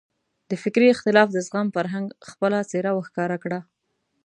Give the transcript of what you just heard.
د فکري اختلاف د زغم فرهنګ خپله څېره وښکاره کړه.